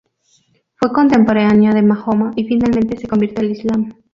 Fue contemporánea de Mahoma y, finalmente, se convirtió al Islam.